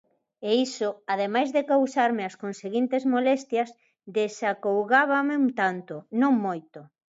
e iso, ademais de causarme as conseguintes molestias, desacougábame un tanto, non moito.